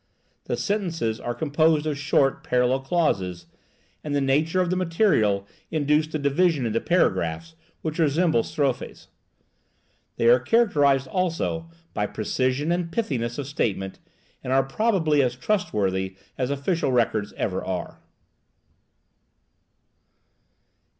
The sentences are composed of short parallel clauses, and the nature of the material induced a division into paragraphs which resemble strophes. They are characterized also by precision and pithiness of statement, and are probably as trust worthy as official records ever are.